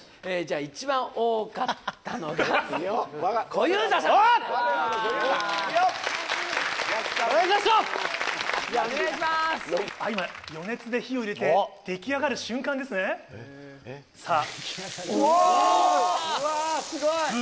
・うわすごい！